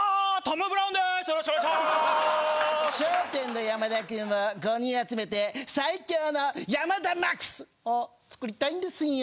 みちおのマネ『笑点』の山田君を５人集めて最強の山田マックスを作りたいんですよ。